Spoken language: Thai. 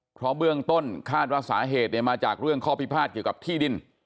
เพราะเบื้องต้นคาดว่าสาเหตุมาจากเรื่องข้อพิพาทเกี่ยวกับที่ดิน